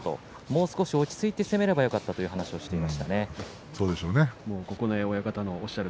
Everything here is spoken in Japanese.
もう少し落ち着いて攻めればよかったという話をしていました。